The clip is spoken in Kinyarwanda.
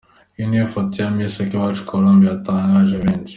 Iyi niyo foto ya Miss Akiwacu Colombe yatangaje benshi.